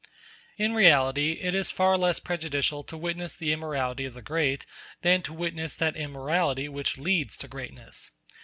In reality it is far less prejudicial to witness the immorality of the great than to witness that immorality which leads to greatness.